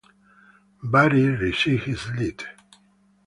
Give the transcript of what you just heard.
Batty received his Lit.